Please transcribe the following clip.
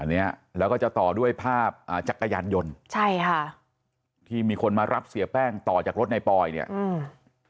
เนี้ยแล้วก็จะต่อด้วยภาพอ่าจักรยานยนต์ใช่ค่ะที่มีคนมารับเสียแป้งต่อจากรถในปอยเนี้ยอืม